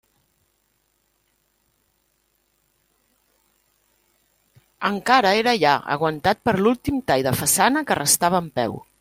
Encara era allà, aguantat per l'últim tall de façana que restava en peu.